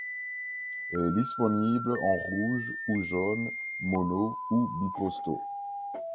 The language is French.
Elle est disponible en rouge ou jaune, mono ou biposto.